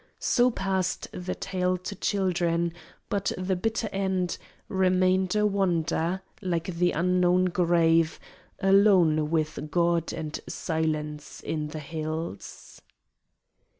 So passed The tale to children; but the bitter end Remained a wonder, like the unknown grave, Alone with God and Silence in the hills.